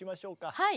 はい！